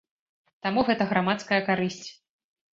Таму гэта грамадская карысць.